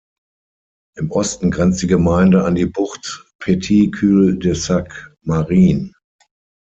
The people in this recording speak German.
Im Osten grenzt die Gemeinde an die Bucht Petit cul de sac marin.